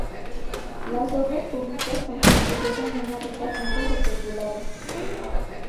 Las obras públicas constituyeron una rica fuente de peculado.